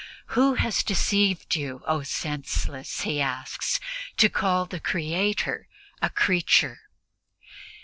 "Who has deceived you, O senseless," he asks, "to call the Creator a creature?"